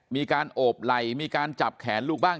มีการโอบไหล่มีการจับแขนลูกบ้าง